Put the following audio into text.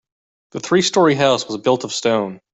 The three story house was built of stone.